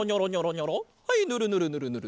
はいぬるぬるぬるぬる。